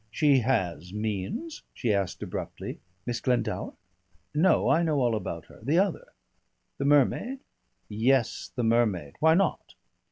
"She has means?" she asked abruptly. "Miss Glendower?" "No. I know all about her. The other?" "The mermaid?" "Yes, the mermaid. Why not?"